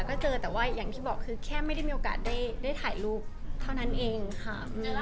ก็เจอแต่ว่าอย่างที่บอกคือแค่ไม่ได้มีโอกาสได้ถ่ายรูปเท่านั้นเองค่ะ